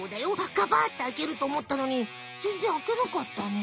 ガバッてあけるとおもったのにぜんぜんあけなかったね。